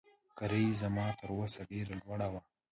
کرایه یې زما تر وس ډېره لوړه وه.